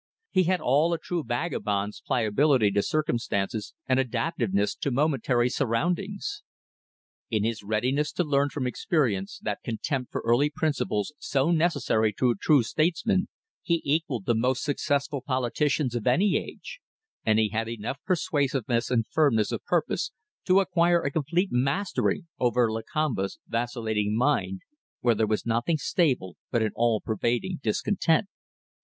He had all a true vagabond's pliability to circumstances and adaptiveness to momentary surroundings. In his readiness to learn from experience that contempt for early principles so necessary to a true statesman, he equalled the most successful politicians of any age; and he had enough persuasiveness and firmness of purpose to acquire a complete mastery over Lakamba's vacillating mind where there was nothing stable but an all pervading discontent.